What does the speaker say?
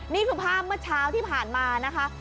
นี่คือภาพเมื่อเช้าที่ผ่านมานะคะ